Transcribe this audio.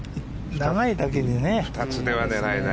長いだけにね。